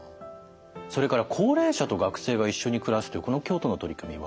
それから「高齢者と学生が一緒に暮らす」というこの京都の取り組みは？